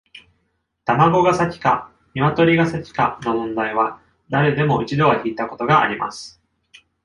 卵が先か鶏が先かの問題は、誰でも一度は聞いたことがあります。